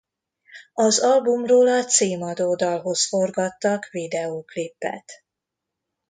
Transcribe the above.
Az albumról a címadó dalhoz forgattak videóklipet.